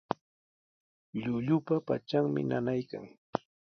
Llullupa patranmi nanaykan.